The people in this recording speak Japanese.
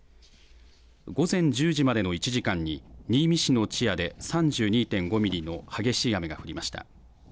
午前１０時までの１時間に、新見市の千屋で３２．５ミリの激しい雨が降りました。